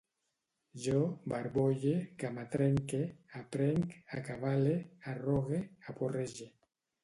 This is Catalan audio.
Jo barbolle, camatrenque, aprenc, acabale, arrogue, aporrege